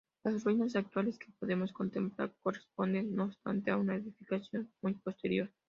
Las ruinas actuales que podemos contemplar corresponden, no obstante, a una edificación muy posterior.